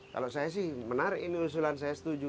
kalau saya sih menarik ini usulan saya setuju